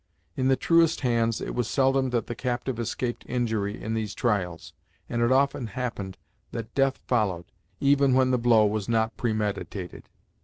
In the truest hands it was seldom that the captive escaped injury in these trials, and it often happened that death followed, even when the blow was not premeditated.